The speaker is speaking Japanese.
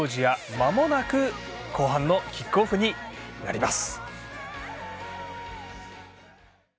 まもなく後半のキックオフになります。